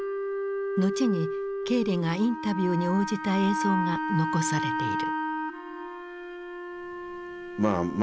後にケーリがインタビューに応じた映像が残されている。